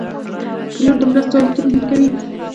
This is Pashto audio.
پیلوټ د مرستو الوتنې هم کوي.